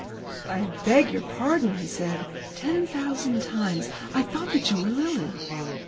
"I beg your pardon," he said, "ten thousand times. I thought that you were Lily."